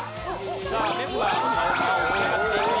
さあメンバーの顔が起き上がっていく１